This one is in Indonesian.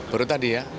baru tadi ya